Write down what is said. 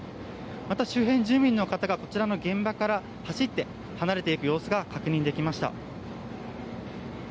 また、周辺住民の方がこちらの現場から走って離れていく様子が確認できました。